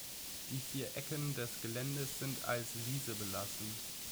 Die vier Ecken des Geländes sind als Wiese belassen.